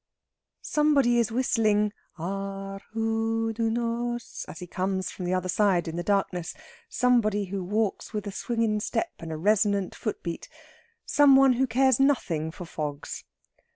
Somebody is whistling "Arr hyd y nos" as he comes from the other side in the darkness somebody who walks with a swinging step and a resonant foot beat, some one who cares nothing for fogs.